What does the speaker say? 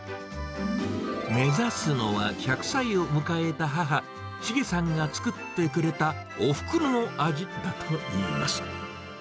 目指すのは１００歳を迎えた母、シゲさんが作ってくれたおふくろの味だといいます。